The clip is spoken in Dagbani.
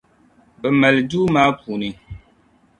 Bɛ mali duu maa puuni?